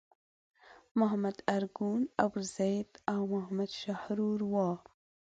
محمد ارګون، ابوزید او محمد شحرور وو.